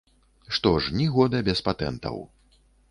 Што ж, ні года без патэнтаў.